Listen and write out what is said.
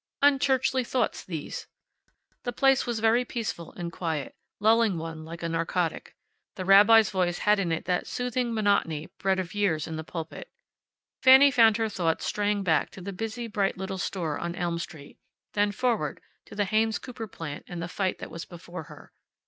Unchurchly thoughts, these. The little place was very peaceful and quiet, lulling one like a narcotic. The rabbi's voice had in it that soothing monotony bred of years in the pulpit. Fanny found her thoughts straying back to the busy, bright little store on Elm Street, then forward, to the Haynes Cooper plant and the fight that was before her.